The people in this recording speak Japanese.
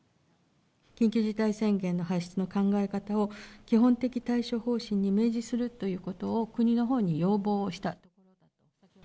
緊急事態宣言の発出の考え方を、基本的対処方針に明示するということを国のほうに要望した。